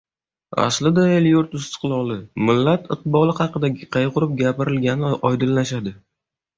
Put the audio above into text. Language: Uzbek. Aslida el-yurt istiqloli, millat iqboli haqida qayg‘urib gapirilgani oydinlashadi.